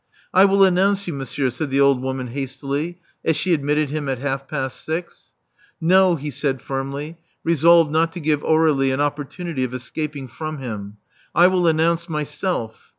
'*! will announce you, monsieur," said the old woman hastily, as she admitted him at half past six. No," he said firmly, resolved not to give Aurdlie an opportunity of escaping from him. I will announce myself.